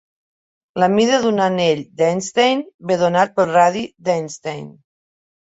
La mida d'un anell d'Einstein ve donat pel radi d'Einstein.